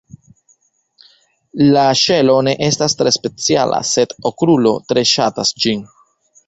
La ŝelo ne estas tre speciala, sed Okrulo tre ŝatas ĝin.